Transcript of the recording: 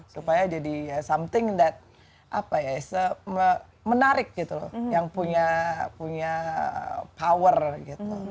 supaya jadi something that apa ya menarik gitu loh yang punya power gitu